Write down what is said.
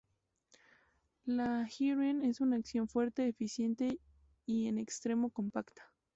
La Heeren es una acción fuerte, eficiente y en extremo compacta.